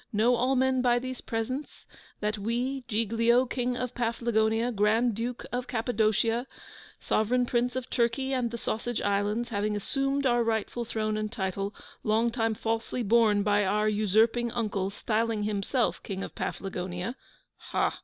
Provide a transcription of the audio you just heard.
Know all men by these presents, that we, Giglio, King of Paflagonia, Grand Duke of Cappadocia, Sovereign Prince of Turkey and the Sausage Islands, having assumed our rightful throne and title, long time falsely borne by our usurping Uncle, styling himself King of Paflagonia ' 'Ha!